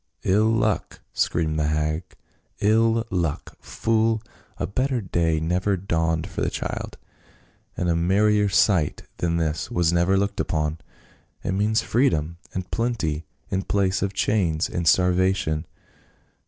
" 111 luck !" screamed the hag. " 111 luck ! Fool ! A better day never dawned for the child, and a mer rier sight than this was never looked upon. It means freedom and plenty in place of chains and starvation.